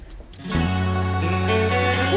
ขอโชคดีค่ะ